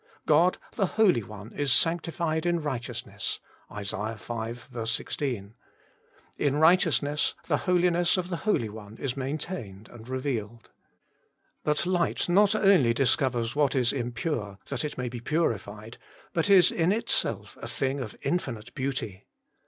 ' God the Holy One is sanctified in righteousness' (Isa. v. 16); in righteousness the Holiness of the Holy One is maintained and revealed. But Light not only discovers what is impure, that it may be purified, but is in itself a thing of infinite beauty.